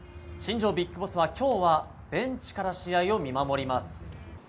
新庄ビッグボスは、今日はベンチから試合を見守ります。